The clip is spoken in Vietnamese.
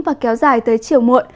và kéo dài tới chiều muộn